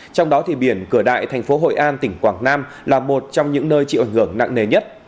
trong đó thì biển cửa đại thành phố hội an tỉnh quảng nam là một trong những nơi chịu ảnh hưởng nặng nề nhất